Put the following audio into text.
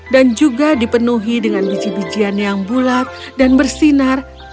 juga dipenuhi dengan biji bijian yang bulat dan bersinar